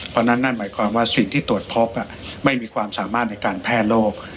เพราะฉะนั้นนั่นหมายความว่าสิ่งที่ตรวจพบไม่มีความสามารถในการแพร่โรค